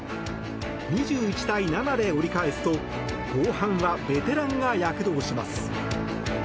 ２１対７で折り返すと後半はベテランが躍動します。